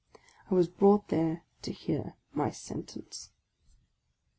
I was brought there to hear my sentence!